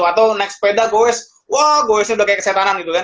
nah kalau next pedal goes wah goesnya udah kayak kesetanan gitu kan